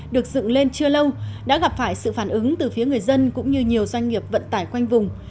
được dựng lên chưa lâu đã gặp phải sự phản ứng từ phía người dân cũng như nhiều doanh nghiệp vận tải quanh vùng